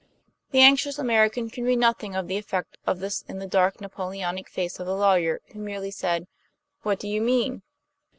The anxious American could read nothing of the effect of this in the dark Napoleonic face of the lawyer, who merely said: "What do you mean?"